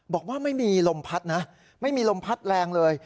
บอกว่าไม่มีลมพัดนะไม่มีลมพัดแรงเลย